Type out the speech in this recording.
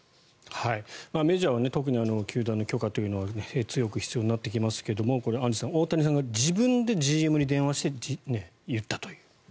メジャーは特に球団の許可というのが強く必要になってきますがアンジュさん、大谷さんが自分でＧＭに電話して言ったという。